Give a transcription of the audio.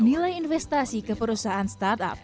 nilai investasi ke perusahaan startup